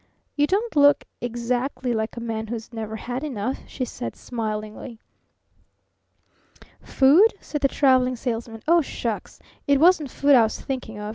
"You don't look exactly like a man who's never had enough," she said smilingly. "Food?" said the Traveling Salesman. "Oh, shucks! It wasn't food I was thinking of.